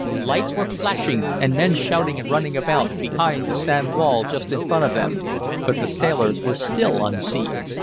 Lights were flashing and men shouting and running about behind the sand wall just in front of them, but the sailors were still unseen.